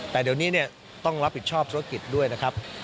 แต่เดี๋ยวนี้ต้องรับผิดชอบธุรกิจด้วยนะครับ